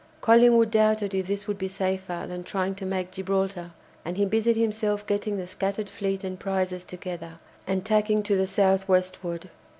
Collingwood doubted if this would be safer than trying to make Gibraltar, and he busied himself getting the scattered fleet and prizes together, and tacking to the south westward.